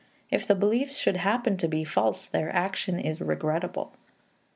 If the beliefs should happen to be false, their action is regrettable.